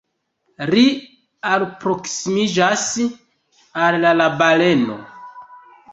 Ri alproksimiĝas al la baleno.